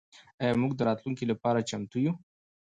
آیا موږ د راتلونکي لپاره چمتو یو؟